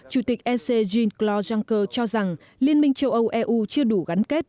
chủ tịch e c jean claude juncker cho rằng liên minh châu âu eu chưa đủ gắn kết